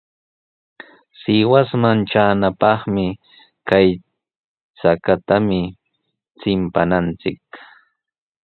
Sihuasman traanapaqmi kay chakatami chimpananchik.